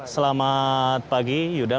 selamat pagi yudha